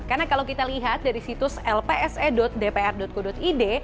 karena kalau kita lihat dari situs lpse dpr co id